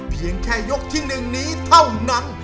เพียงแค่ยกที่๑นี้เท่านั้น